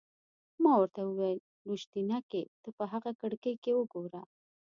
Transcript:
ما ورته وویل: لویشتينکې! ته په هغه کړکۍ کې وګوره.